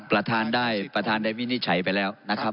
ประธานได้ประธานได้วินิจฉัยไปแล้วนะครับ